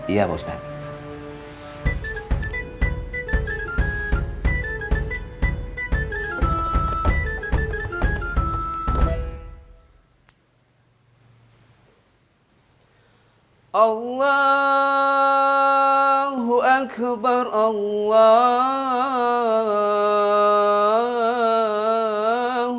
iya pak ustadz